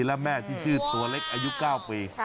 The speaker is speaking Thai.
และแม่ที่ชื่อตัวเล็กอายุ๙ปี